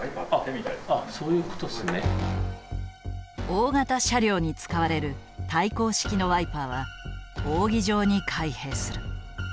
大型車両に使われる対向式のワイパーは扇状に開閉する。